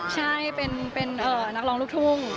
ใช่เป็นนักร้องลูกทุ่ง